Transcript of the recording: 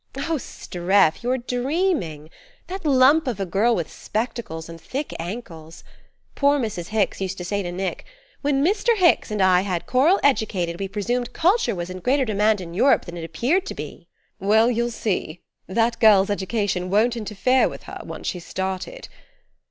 "Oh, Streff you're dreaming! That lump of a girl with spectacles and thick ankles! Poor Mrs. Hicks used to say to Nick: 'When Mr. Hicks and I had Coral educated we presumed culture was in greater demand in Europe than it appears to be.'" "Well, you'll see: that girl's education won't interfere with her, once she's started.